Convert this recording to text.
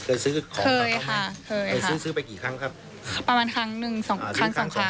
ซื้อของไปเคยซื้อซื้อไปกี่ครั้งครับประมาณครั้งหนึ่งสองครั้งสองครั้ง